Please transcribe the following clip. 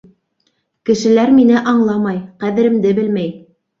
Кешеләр мине аңламай, ҡәҙеремде белмәй.